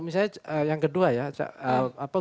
misalnya yang kedua ya